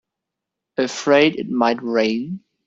Afraid it might rain?